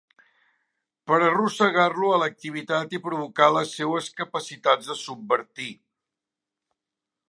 Per arrossegar-lo a l'activitat i provocar les seues capacitats de subvertir.